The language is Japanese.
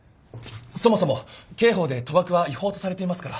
そもそも刑法で賭博は違法とされていますから。